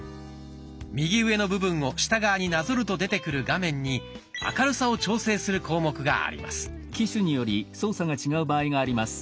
右上の部分を下側になぞると出てくる画面に明るさを調整する項目があります。